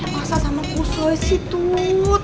masa sama kusoi sih tuh